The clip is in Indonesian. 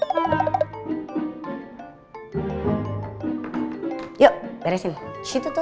tinggal makan gitu loh